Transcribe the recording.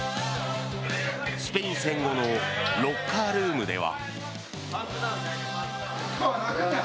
スペイン戦後のロッカールームでは。